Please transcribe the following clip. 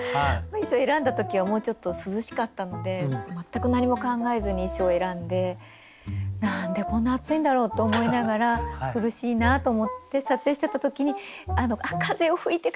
衣装を選んだ時はもうちょっと涼しかったので全く何も考えずに衣装を選んで何でこんな暑いんだろうと思いながら苦しいなと思って撮影してた時に風よ吹いて！